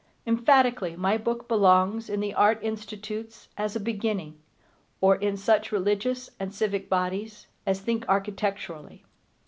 Emphatically, my book belongs in the Art Institutes as a beginning, or in such religious and civic bodies as think architecturally.